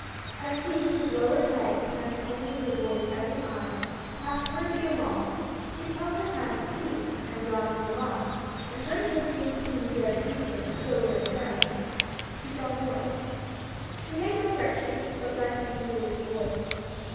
As she, with lowered head, caring only to avoid every eye, passed hurriedly along, she felt her hand seized and drawn through an arm, and turning hastily to see who dared treat her with so little ceremony, she saw Morin. She made no objection, but let him do as he would.